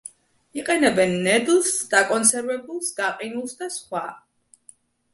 იყენებენ ნედლს, დაკონსერვებულს, გაყინულს და სხვა.